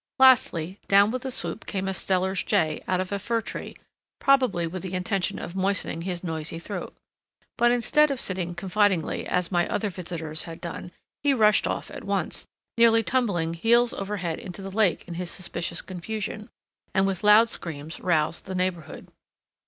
Lastly, down with a swoop came a Steller's jay out of a fir tree, probably with the intention of moistening his noisy throat. But instead of sitting confidingly as my other visitors had done, he rushed off at once, nearly tumbling heels over head into the lake in his suspicious confusion, and with loud screams roused the neighborhood.